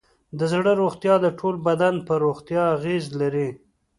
د زړه روغتیا د ټول بدن پر روغتیا اغېز لري.